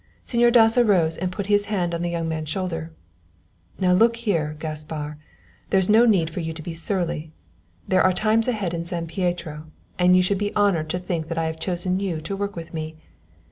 Señor Dasso rose and put his hand on the young man's shoulder. "Now look here, Gaspar, there's no need for you to be surly. There are times ahead in San Pietro, and you should be honoured to think that I have chosen you to work with me.